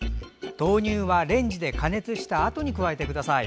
豆乳はレンジで加熱したあとに加えてください。